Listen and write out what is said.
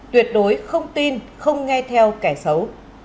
tuyệt đối không tin không nghe theo kẻ xấu